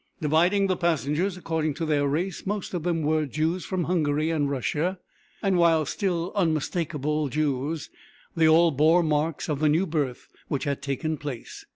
Dividing the passengers according to their race, most of them were Jews from Hungary and Russia; and while still unmistakable Jews, they all bore marks of the new birth which had taken place.